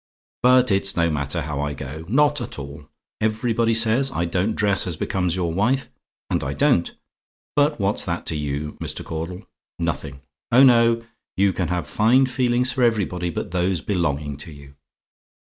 But it's no matter how I go, not at all. Everybody says I don't dress as becomes your wife and I don't; but what's that to you, Mr. Caudle? Nothing. Oh, no! you can have fine feelings for everybody but those belonging to you.